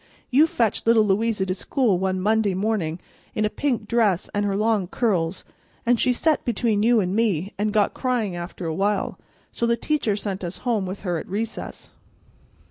You fetched little Louisa to school one Monday mornin' in a pink dress an' her long curls, and she set between you an' me, and got cryin' after a while, so the teacher sent us home with her at recess."